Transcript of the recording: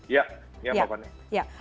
ya ya pak pane